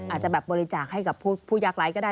อาจเป็นบริจาคให้กับผู้ยากไร้เทอร์ได้